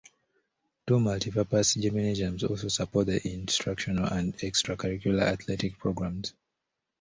Two multipurpose gymnasiums also support the instructional and extracurricular athletic programs.